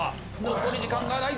残り時間がないぞ？